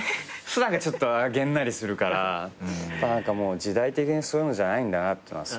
ちょっとげんなりするからもう時代的にそういうのじゃないんだなってすごく思うし。